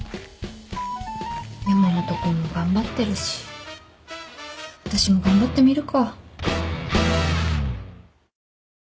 山本君も頑張ってるし私も頑張ってみるか。